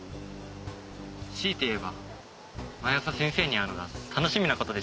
強いて言えば毎朝先生に会うのが楽しみな事でしょうか。